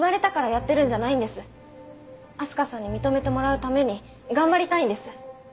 明日香さんに認めてもらうために頑張りたいんです。